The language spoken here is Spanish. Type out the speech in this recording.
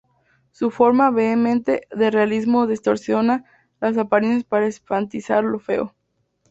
Su forma vehemente de realismo distorsiona las apariencias para enfatizar lo feo.